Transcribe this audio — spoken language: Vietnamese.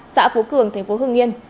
xã phú cường tp hưng yên